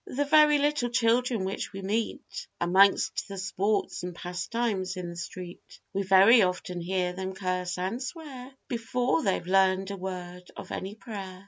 The very little children which we meet, Amongst the sports and pastimes in the street, We very often hear them curse and swear, Before they've learned a word of any prayer.